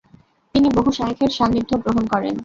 তিনি বহু শায়খের সান্নিধ্য গ্রহণ করেন।